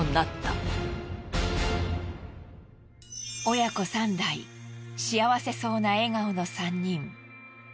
親子３代幸せそうな笑顔の３人。